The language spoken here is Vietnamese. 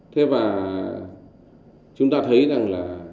thế và chúng ta thấy rằng là